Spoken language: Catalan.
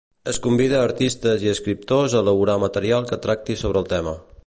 Es convida a artistes i escriptors a elaborar material que tracti sobre el tema.